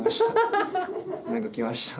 何か来ました。